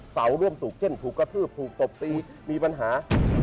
เสาร่วมสุขเช่นถูกกระทืบถูกตบตีมีปัญหา